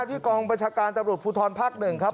ที่กองประชาการตำรวจภูทรภาค๑ครับ